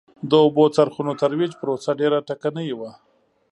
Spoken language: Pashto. د اوبو څرخونو ترویج پروسه ډېره ټکنۍ وه